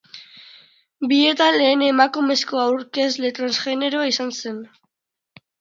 Bietan lehen emakumezko aurkezle transgeneroa izan zen.